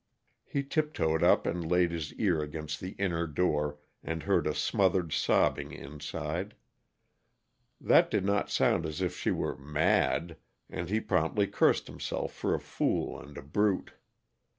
He tiptoed up and laid his ear against the inner door, and heard a smothered sobbing inside. That did not sound as if she were "mad," and he promptly cursed himself for a fool and a brute.